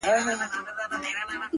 د کسمیر لوري د کابل او د ګواه لوري ـ